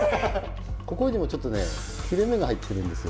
ここにもちょっとね切れ目が入ってるんですよ。